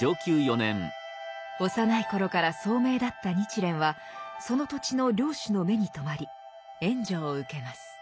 幼い頃から聡明だった日蓮はその土地の領主の目に留まり援助を受けます。